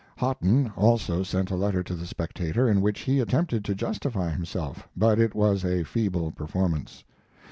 Hotten also sent a letter to the Spectator, in which he attempted to justify himself, but it was a feeble performance.